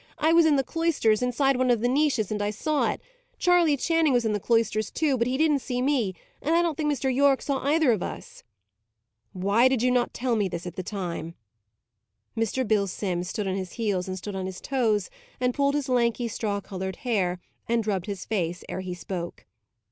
I was in the cloisters, inside one of the niches, and saw it. Charley Channing was in the cloisters, too, but he didn't see me, and I don't think Mr. Yorke saw either of us." "Why did you not tell me this at the time?" Mr. Bill Simms stood on his heels and stood on his toes, and pulled his lanky straw coloured hair, and rubbed his face, ere he spoke.